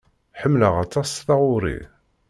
Ḥemmleɣ aṭas taɣuri.